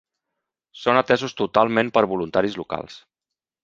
Són atesos totalment per voluntaris locals.